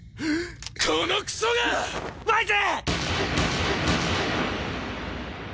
このクソが‼ワイズ！